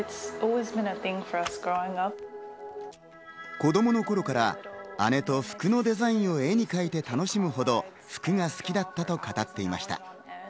子供の頃から姉と服のデザインを手に描いて楽しむほど服が好きだったと語っていました。